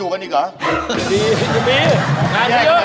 เฮ้ยมันยังอยู่กันอีกเหรอ